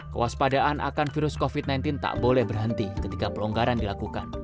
kewaspadaan akan virus covid sembilan belas tak boleh berhenti ketika pelonggaran dilakukan